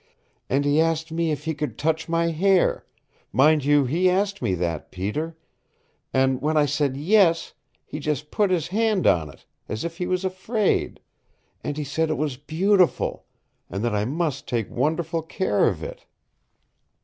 "And he asked me if he could touch my hair mind you he asked me that, Peter! And when I said 'yes' he just put his hand on it, as if he was afraid, and he said it was beautiful, and that I must take wonderful care of it!"